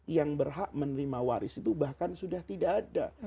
yang berhak menerima waris itu bahkan sudah tidak ada